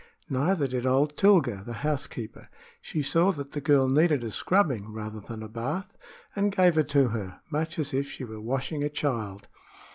Neither did old Tilga, the housekeeper. She saw that the girl needed a scrubbing rather than a bath, and gave it to her much as if she were washing a child.